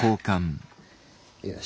よし。